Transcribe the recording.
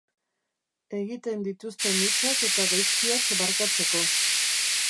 Egiten dituzten hutsak eta gaizkiak barkatzeko